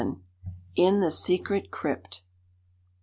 IN THE SECRET CRYPT.